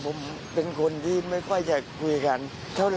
ผมเป็นคนที่ไม่ค่อยจะคุยกันเท่าไห